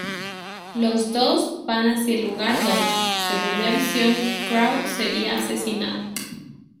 Los dos van hacia el lugar donde, según la visión, Crow sería asesinado.